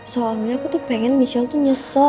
soalnya aku tuh pengen michelle tuh nyesel